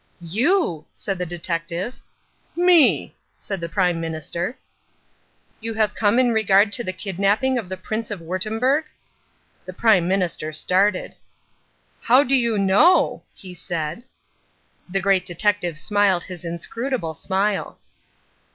"You!" said the detective. "Me," said the Prime Minister. "You have come in regard the kidnapping of the Prince of Wurttemberg?" The Prime Minister started. "How do you know?" he said. The Great Detective smiled his inscrutable smile.